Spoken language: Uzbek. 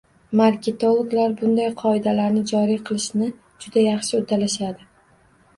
Marketologlar bunday qoidalarni joriy qilishni juda yaxshi uddalashadi